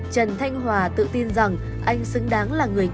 trần thanh hòa tự tin rằng anh xứng đáng là người